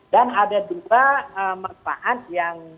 dan ada juga manfaat yang